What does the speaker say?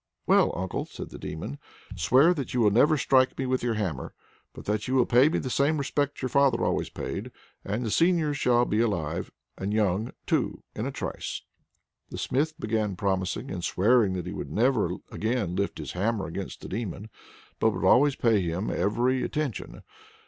"Well, uncle!" said the Demon, "swear that you will never strike me with your hammer, but that you will pay me the same respect your father always paid, and the seigneur shall be alive, and young, too, in a trice." The Smith began promising and swearing that he would never again lift his hammer against the Demon, but would always pay him every attention.